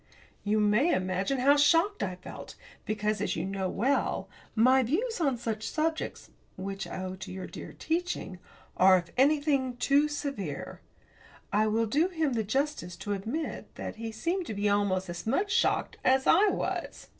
You may imagine how shocked I felt, because, as you know well, my views on such subjects which I owe to your dear teaching are, if anything, too severe. I will do him the justice to admit that he seemed to be almost as much shocked as I was.